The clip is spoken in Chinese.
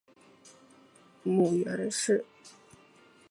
母袁氏。